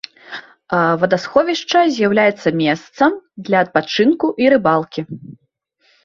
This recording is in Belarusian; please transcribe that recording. Вадасховішча з'яўляецца месцам для адпачынку і рыбалкі.